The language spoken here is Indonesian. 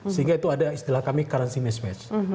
sehingga itu ada istilah kami currency mismatch